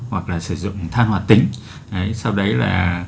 hoặc là sử dụng than hoạt tính sau đấy là